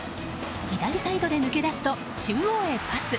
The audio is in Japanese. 左サイドへ抜け出すと中央へパス。